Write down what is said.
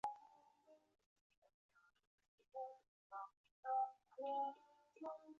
早上十点半开始